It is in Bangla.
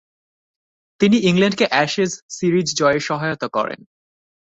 তিনি ইংল্যান্ডকে অ্যাশেজ সিরিজ জয়ে সহায়তা করেন।